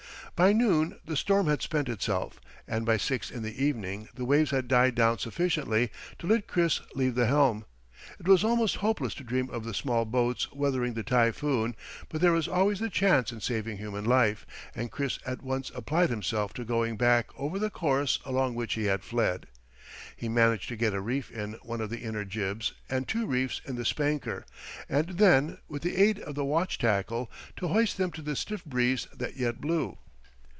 By noon the storm had spent itself, and by six in the evening the waves had died down sufficiently to let Chris leave the helm. It was almost hopeless to dream of the small boats weathering the typhoon, but there is always the chance in saving human life, and Chris at once applied himself to going back over the course along which he had fled. He managed to get a reef in one of the inner jibs and two reefs in the spanker, and then, with the aid of the watch tackle, to hoist them to the stiff breeze that yet blew.